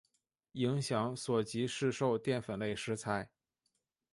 影响所及市售淀粉类食材。